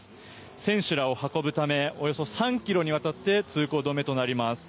選手らを運ぶためおよそ３ｋｍにわたって通行止めとなります。